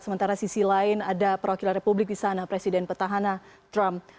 sementara sisi lain ada perwakilan republik di sana presiden petahana trump